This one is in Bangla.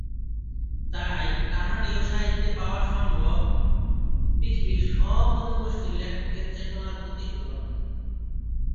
তাই কানাডীয় সাহিত্যে পাওয়া সম্ভব পৃথিবীর সব জনগোষ্ঠীর লেখকের চেতনার প্রতিফলন।